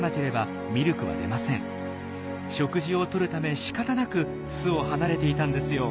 食事をとるためしかたなく巣を離れていたんですよ。